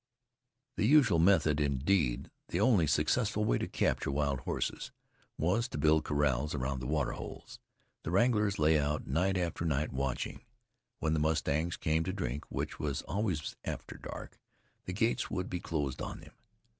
The usual method, indeed the only successful way to capture wild horses, was to build corrals round the waterholes. The wranglers lay out night after night watching. When the mustangs came to drink which was always after dark the gates would be closed on them.